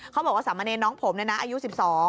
เขาบอกว่าสามเณรน้องผมเนี่ยนะอายุ๑๒